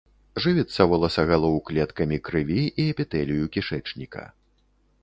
Жывіцца воласагалоў клеткамі крыві і эпітэлію кішэчніка.